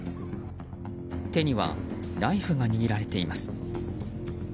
手にはナイフが握られています。